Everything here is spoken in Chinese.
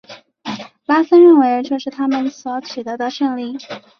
拉森认为这是他们所取得的胜利。